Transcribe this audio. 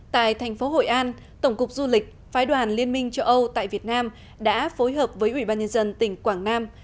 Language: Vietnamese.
tại thành phố hội an tổng cục du lịch phái đoàn liên minh châu âu tại việt nam đã phối hợp với ủy ban nhân dân tỉnh quảng nam